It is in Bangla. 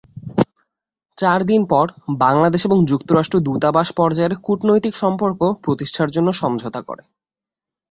চার দিন পর, বাংলাদেশ এবং যুক্তরাষ্ট্র দূতাবাস পর্যায়ের কূটনৈতিক সম্পর্ক প্রতিষ্ঠার জন্য সমঝোতা করে।